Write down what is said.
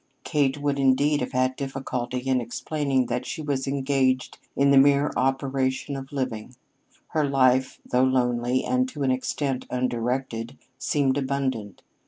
Kate would, indeed, have had difficulty in explaining that she was engaged in the mere operation of living. Her life, though lonely, and to an extent undirected, seemed abundant.